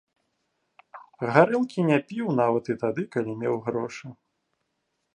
Гарэлкі не піў нават і тады, калі меў грошы.